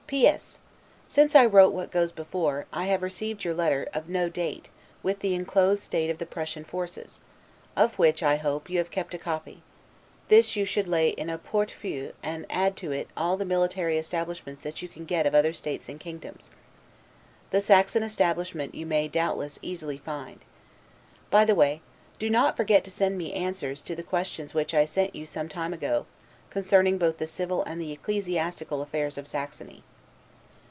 P. S. Since I wrote what goes before, I have received your letter, OF NO DATE, with the inclosed state of the Prussian forces: of which, I hope, you have kept a copy; this you should lay in a 'portefeuille', and add to it all the military establishments that you can get of other states and kingdoms: the Saxon establishment you may, doubtless, easily find. By the way, do not forget to send me answers to the questions which I sent you some time ago, concerning both the civil and the ecclesiastical affairs of Saxony.